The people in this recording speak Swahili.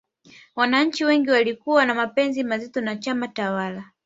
wananchi wengi walikuwa na mapenzi mazito na chama tawala